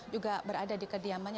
juga berada di kediamannya